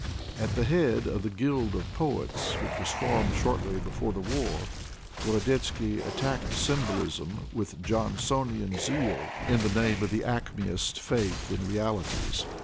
At the head of the " Guild of Poets '' which was formed shortly before the war, Gorodetzky attacked symbolism with Johnsonian zeal in the name of the "Acmeist'' faith in realities.